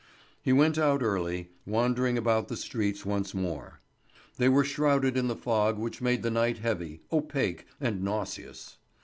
He went out early, wandering about the streets once more. They were shrouded in the fog which made the night heavy, opaque, and nauseous.